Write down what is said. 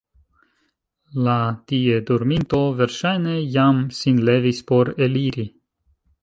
La tie dorminto verŝajne jam sin levis por eliri.